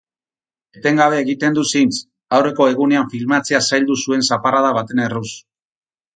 Etengabe egiten du zintz, aurreko egunean filmatzea zaildu zuen zaparrada baten erruz.